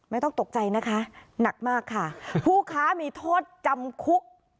ไม่ต้องตกใจนะคะหนักมากค่ะผู้ค้ามีโทษจำคุก